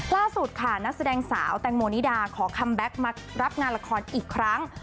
ล่าสุดค่ะนักแสดงสาวแตงโมนิดาขอคัมแบ็คมารับงานละครอีกครั้ง